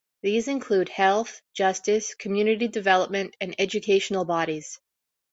These include health, justice, community development and educational bodies.